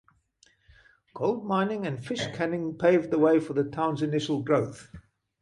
Gold mining and fish canning paved the way for the town's initial growth.